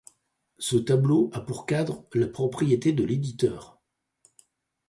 Ce tableau a pour cadre la propriété de l'éditeur.